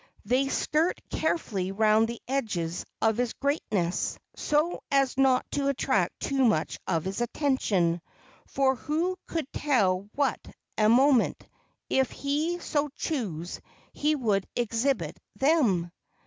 They skirt carefully round the edges of his greatness, so as not to attract too much of his attention, for who could tell at what moment, if he so chose, he would exhibit them.